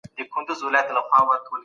بهرنیو استازو د افغانستان وضعیت وڅیړه.